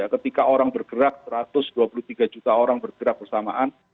ketika orang bergerak satu ratus dua puluh tiga juta orang bergerak bersamaan